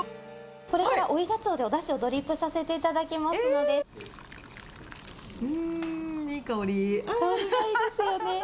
これから追いガツオでおだしをドリップさせていただきますのうーん、いい香り。